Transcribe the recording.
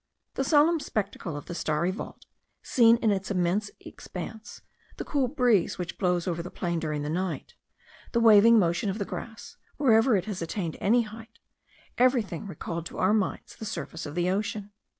The solemn spectacle of the starry vault, seen in its immense expanse the cool breeze which blows over the plain during the night the waving motion of the grass, wherever it has attained any height; everything recalled to our minds the surface of the ocean.